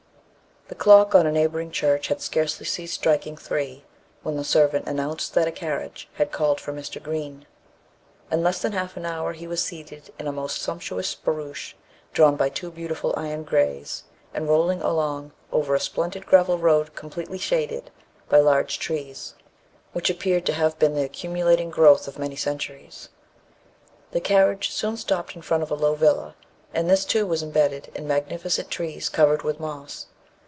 THE clock on a neighbouring church had scarcely ceased striking three, when the servant announced that a carriage had called for Mr. Green. In less than half an hour he was seated in a most sumptuous barouche, drawn by two beautiful iron greys, and rolling along over a splendid gravel road completely shaded by large trees, which appeared to have been the accumulating growth of many centuries. The carriage soon stopped in front of a low villa, and this too was embedded in magnificent trees covered with moss.